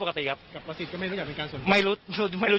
ครับผม